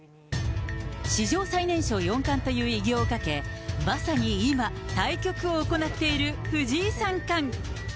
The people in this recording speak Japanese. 史上最年少四冠という偉業をかけ、まさに今、対局を行っている藤井三冠。